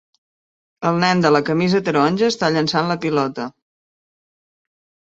El nen de la camisa taronja està llançant la pilota.